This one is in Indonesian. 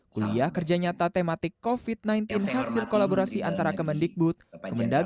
kuliah kerja nyata tematik covid sembilan belas hasil kolaborasi antara kemendikbud kemendagri